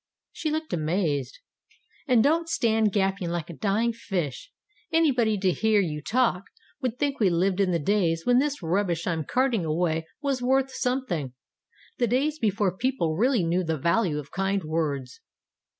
She looked amazed. "And don't stand gaping like a dying fish. Any body, to hear you talk, would think we lived in the days when this rubbish I'm carting away was worth something the days before people really knew the value of kind words."